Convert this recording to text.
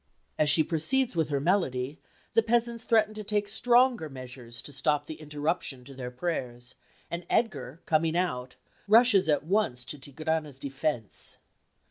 As she proceeds with her melody the peasants threaten to take stronger measures to stop the interruption to their prayers, and Edgar, coming out, rushes at once to Tigrana's defence.